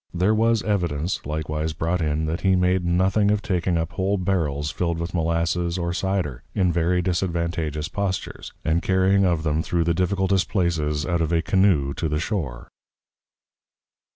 There was Evidence likewise brought in, that he made nothing of taking up whole Barrels fill'd with Malasses or Cider, in very disadvantageous Postures, and Carrying of them through the difficultest Places out of a Canoo to the Shore.